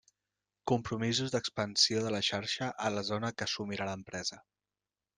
Compromisos d'expansió de la xarxa a la zona que assumirà l'empresa.